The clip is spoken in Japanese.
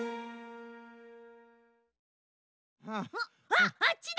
あっあっちだ！